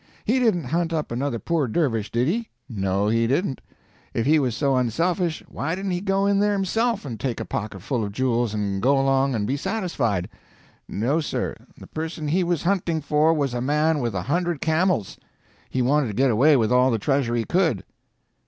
He didn't hunt up another poor dervish, did he? No, he didn't. If he was so unselfish, why didn't he go in there himself and take a pocketful of jewels and go along and be satisfied? No, sir, the person he was hunting for was a man with a hundred camels. He wanted to get away with all the treasure he could."